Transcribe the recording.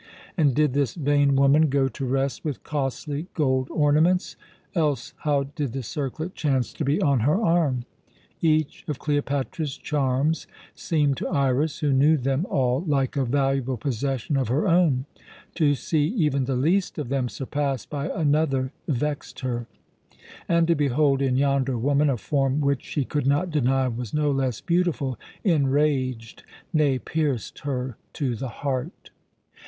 And did this vain woman go to rest with costly gold ornaments? Else how did the circlet chance to be on her arm? Each of Cleopatra's charms seemed to Iras, who knew them all, like a valuable possession of her own. To see even the least of them surpassed by another vexed her; and to behold in yonder woman a form which she could not deny was no less beautiful, enraged, nay, pierced her to the heart.